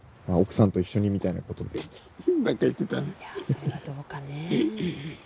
それはどうかね。